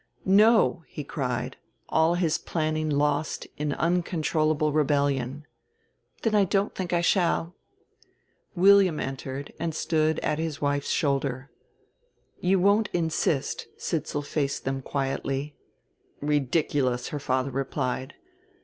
"No!" he cried, all his planning lost in uncontrollable rebellion. "Then I don't think I shall." William entered and stood at his wife's shoulder. "You won't insist," Sidsall faced them quietly. "Ridiculous," her father replied.